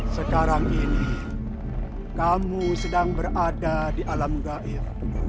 sekarang ini kamu sedang berada di alam gaib